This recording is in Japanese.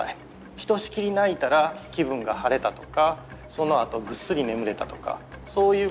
ひとしきり泣いたら気分が晴れたとかそのあとぐっすり眠れたとかそういうことって本当にあるので。